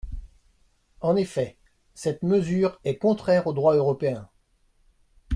En effet, cette mesure est contraire au droit européen.